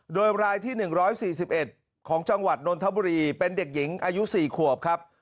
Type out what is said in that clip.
โดยรายที่๑๔๑ของจังหวัดนนทบุรีเป็นเด็กหญิงอายุ๔ขวบครับ